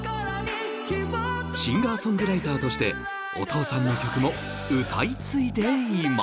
シンガーソングライターとしてお父さんの曲も歌い継いでいます